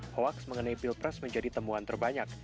hoaks mengenai pilpres menjadi temuan terbanyak